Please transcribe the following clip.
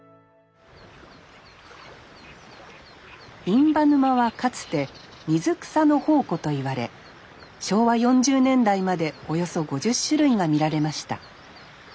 印旛沼はかつて水草の宝庫といわれ昭和４０年代までおよそ５０種類が見られました。